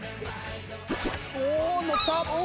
おおのった！